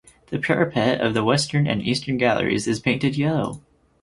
The parapet of the western and eastern galleries is painted yellow.